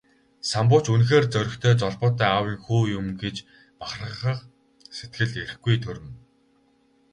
Самбуу ч үнэхээр зоригтой, золбоотой аавын хүү юм гэж бахархах сэтгэл эрхгүй төрнө.